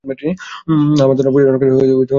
আমার ধারণা, পূজা রোহানকে বিয়ে করতে রাজি হবে।